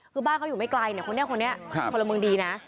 คือบ้านเขาอยู่ไม่ไกลคนแน่พลเมืองดีนะ